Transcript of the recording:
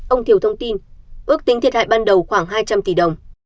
ông thiểu thông tin ước tính thiệt hại ban đầu khoảng hai trăm linh tỷ đồng